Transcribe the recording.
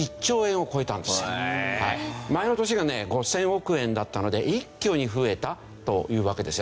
前の年がね５０００億円だったので一挙に増えたというわけですよね。